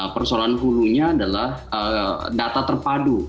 persoalan hulunya adalah data terpadu